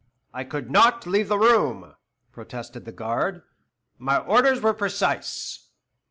"I could not leave the room," protested the guard. "My orders were precise."